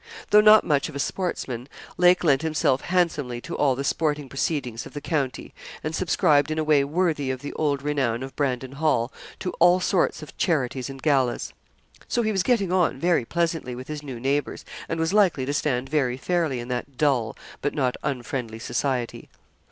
Though not much of a sportsman, Lake lent himself handsomely to all the sporting proceedings of the county, and subscribed in a way worthy of the old renown of Brandon Hall to all sorts of charities and galas. So he was getting on very pleasantly with his new neighbours, and was likely to stand very fairly in that dull, but not unfriendly society.